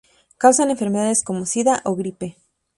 Causan enfermedades como: sida o gripe.